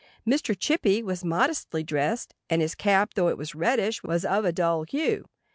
Mr. Chippy was modestly dressed; and his cap, though it was reddish, was of a dull hue.